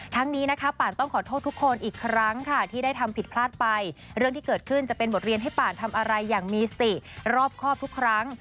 นี้นะคะป่านต้องขอโทษทุกคนอีกครั้งค่ะที่ได้ทำผิดพลาดไปเรื่องที่เกิดขึ้นจะเป็นบทเรียนให้ป่านทำอะไรอย่างมีสติรอบครอบทุกครั้ง